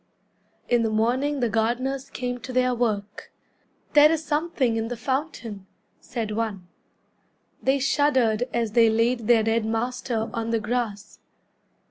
In the morning the gardeners came to their work. "There is something in the fountain," said one. They shuddered as they laid their dead master On the grass.